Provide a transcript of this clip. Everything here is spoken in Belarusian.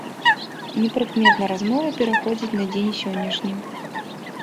Непрыкметна размова пераходзіць на дзень сённяшні.